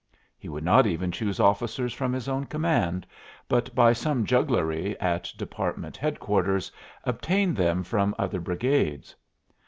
He would not even choose officers from his own command, but by some jugglery at department headquarters obtained them from other brigades.